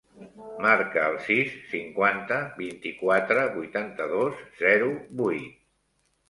Marca el sis, cinquanta, vint-i-quatre, vuitanta-dos, zero, vuit.